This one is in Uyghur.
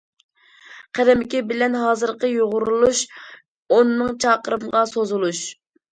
قەدىمكى بىلەن ھازىرقى يۇغۇرۇلۇش، ئونمىڭ چاقىرىمغا سوزۇلۇش.